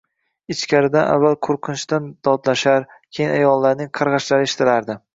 Ichkaridan avval qo‘rqinchdan dodlashlar, keyin ayolning qarg‘ashlari eshitilardi